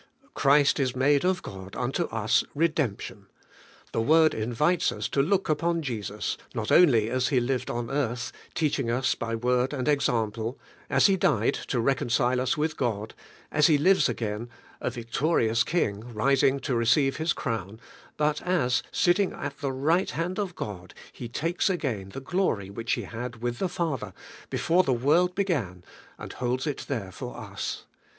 Christ is made of God unto us Redemption. The word invites us to look upon Jesus, not only as He lived on earth, teaching us by word and example, as He died, to reconcile us with God, as He lives again, a victorious King, rising to receive His crown, but as, sitting at the right hand of God, He takes again the glory which He had with the Father, be fore the world began, and holds it there for us.